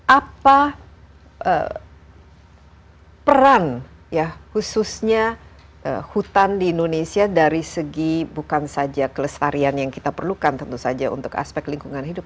apa peran khususnya hutan di indonesia dari segi bukan saja kelestarian yang kita perlukan tentu saja untuk aspek lingkungan hidup